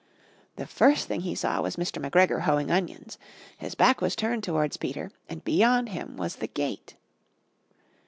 The first thing he saw was Mr. McGregor hoeing onions. His back was turned towards Peter and beyond him was the gate!